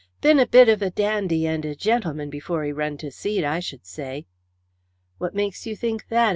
Bin a bit of a dandy and a gentleman before he run to seed, I should say." "What makes you think that?"